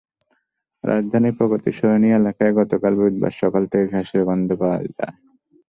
রাজধানীর প্রগতি সরণি এলাকায় গতকাল বুধবার সকাল থেকে গ্যাসের গন্ধ পাওয়া যায়।